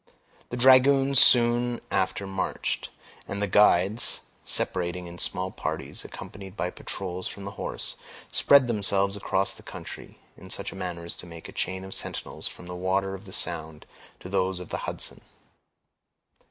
The dragoons soon after marched; and the guides, separating in small parties, accompanied by patrols from the horse, spread themselves across the country, in such a manner as to make a chain of sentinels from the waters of the Sound to those of the Hudson.